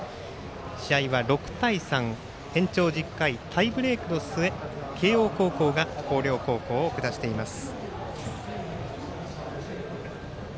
しあは６対３、延長１０回タイブレークの末慶応高校が広陵高校を下しています。